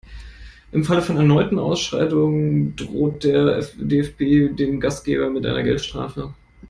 Im Falle von erneuten Ausschreitungen droht der DFB dem Gastgeber mit einer Geldstrafe.